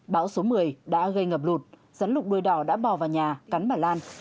bão số một mươi đã gây ngập lụt rắn lục đuôi đỏ đã bò vào nhà cắn bà lan